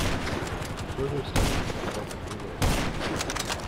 Further studies are underway.